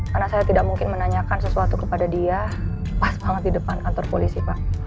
karena saya tidak mungkin menanyakan sesuatu kepada dia pas banget di depan kantor polisi pak